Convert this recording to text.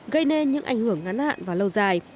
gây nên những ảnh hưởng ngắn hạn và lâu dài